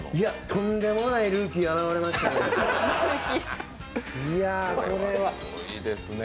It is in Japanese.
とんでもないルーキー現れましたね。